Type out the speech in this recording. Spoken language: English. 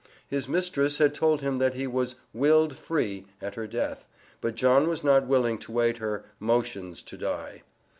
His mistress had told him that he was 'willed free,' at her death, but John was not willing to wait her "motions to die."